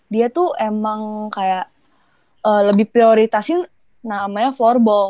dia tuh emang kayak lebih prioritasi namanya floorball